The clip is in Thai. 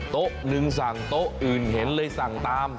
โต๊ะหนึ่งสั่งโต๊ะอื่นเห็นเลยสั่งตาม